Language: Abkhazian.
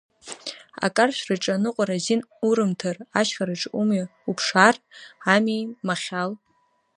Акаршәраҿы аныҟәара азин урымҭар, ашьхараҿы умҩа уԥшаар ами, Махьал.